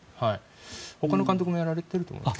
ほかの監督もやられていると思います。